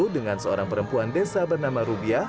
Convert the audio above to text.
dengan seorang perempuan desa bernama rubiah